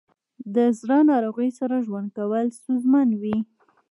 د زړه ناروغیو سره ژوند کول ستونزمن وي.